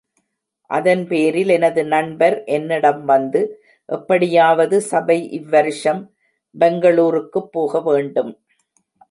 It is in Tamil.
அதன்பேரில் எனது நண்பர் என்னிடம் வந்து, எப்படியாவது சபை இவ்வருஷம் பெங்களூருக்குப் போக வேண்டும்.